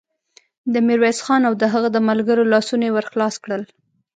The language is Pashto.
د ميرويس خان او د هغه د ملګرو لاسونه يې ور خلاص کړل.